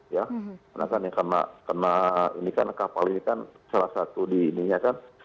karena kan ya karena ini kan kapal ini kan salah satu di ininya kan